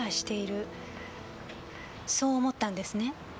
そう思ったんですね？